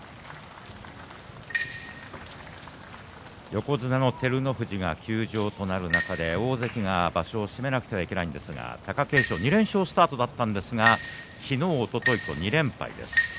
横綱の照ノ富士が休場となる中で大関が場所を締めなくてはいけないんですが貴景勝２連勝スタートだったんですが昨日、おとといと２連敗です。